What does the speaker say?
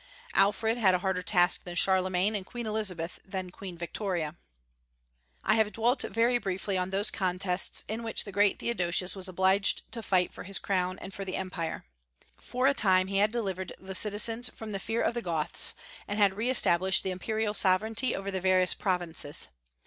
Alfred had a harder task than Charlemagne, and Queen Elizabeth than Queen Victoria. I have dwelt very briefly on those contests in which the great Theodosius was obliged to fight for his crown and for the Empire. For a time he had delivered the citizens from the fear of the Goths, and had re established the imperial sovereignty over the various provinces.